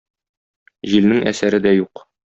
Җилнең әсәре дә юк.